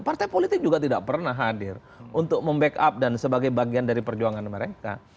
partai politik juga tidak pernah hadir untuk membackup dan sebagai bagian dari perjuangan mereka